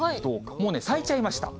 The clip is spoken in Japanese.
もう、咲いちゃいました。